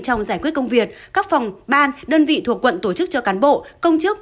trong giải quyết công việc các phòng ban đơn vị thuộc quận tổ chức cho cán bộ công chức